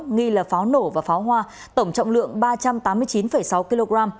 nghi là pháo nổ và pháo hoa tổng trọng lượng ba trăm tám mươi chín sáu kg